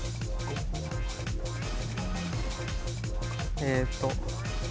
えーっと。